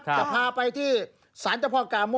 จะพาไปที่สารเจ้าพ่อกาโม่